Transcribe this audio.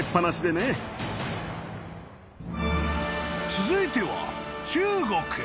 ［続いては］